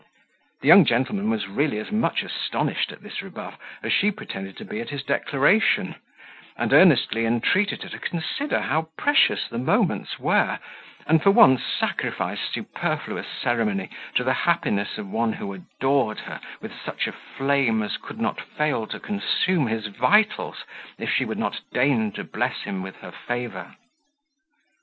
The young gentleman was really as much astonished at this rebuff, as she pretended to be at his declaration, and earnestly entreated her to consider how precious the moments were, and for once sacrifice superfluous ceremony to the happiness of one who adored her with such a flame as could not fail to consume his vitals, if she would not deign to bless him with her favour.